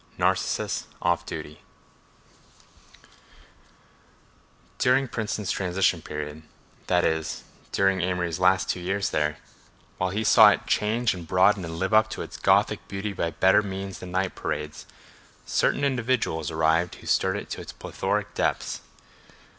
Narcissus Off Duty During Princeton's transition period, that is, during Amory's last two years there, while he saw it change and broaden and live up to its Gothic beauty by better means than night parades, certain individuals arrived who stirred it to its plethoric depths.